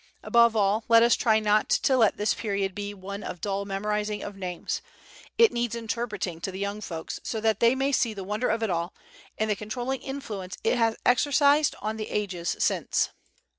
Above all, let us try not to let this period be one of dull memorizing of names. It needs interpreting to the young folks so that they may see the wonder of it all, and the controlling influence it has exercised on the ages since.